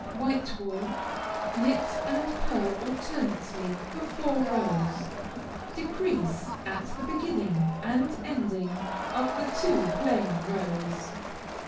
White wool Knit and pearl alternately for four rows; decrease at the beginning and ending of the two plain rows.